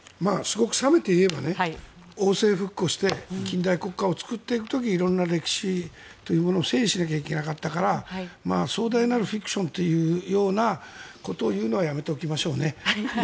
冷めて言えば王政復古して近代国家を作っている時色んな歴史というのを整理しなきゃいけなかったから壮大なるフィクションというようなことを言うのはやめておきましょうね。